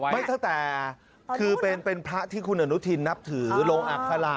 ตั้งแต่คือเป็นพระที่คุณอนุทินนับถือลงอัคระ